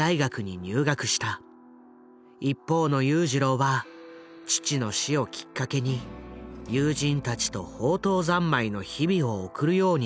一方の裕次郎は父の死をきっかけに友人たちと放蕩三昧の日々を送るようになったという。